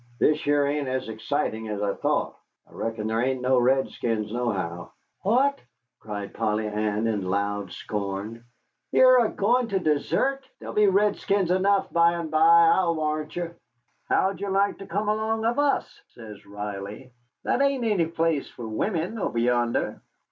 "This here ain't as excitin' as I thought. I reckon there ain't no redskins nohow." "What!" cried Polly Ann, in loud scorn, "ye're a goin' to desert? There'll be redskins enough by and by, I'll warrant ye." "How'd you like to come along of us," says Riley; "that ain't any place for wimmen, over yonder."